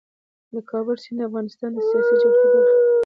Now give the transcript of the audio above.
د کابل سیند د افغانستان د سیاسي جغرافیې برخه ده.